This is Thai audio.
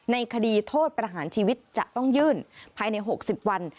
ในคดีโทษประหารชีวิตจะต้องยื่นภายใน๖๐วัน